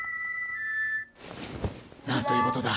なんということだ。